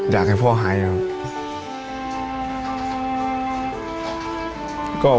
อยากให้พ่อหายนะครับ